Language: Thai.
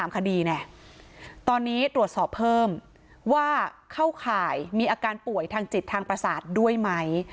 คดีตอนนี้ตรวจสอบเพิ่มว่าเข้าข่ายมีอาการป่วยทางจิตทางประสาทด้วยไหม